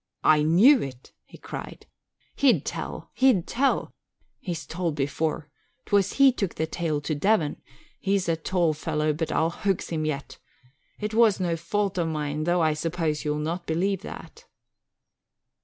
"I knew it!" he cried. "He'd tell, he'd tell! He's told before 'twas he took the tale to Devon. He's a tall fellow but I'll hox him yet. It was no fault of mine though I suppose you'll not believe that."